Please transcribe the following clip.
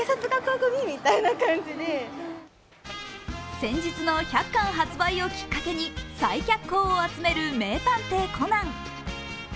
先日の１００巻発売をきっかけに再脚光を集める「名探偵コナン」。